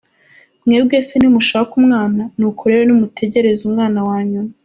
Mwebwe se ntimushaka umwana? Nuko rero nimutegereze umwana wa nyuma.